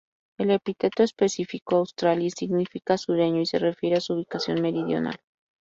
El epíteto específico "australis" significa "sureño" y se refiere a su ubicación meridional.